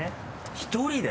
１人で？